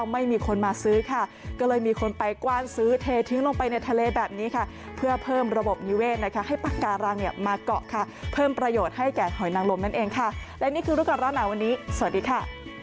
ให้แก่หอยนางลมนั่นเองค่ะและนี่คือรูปการณ์ร้านหนาวันนี้สวัสดีค่ะ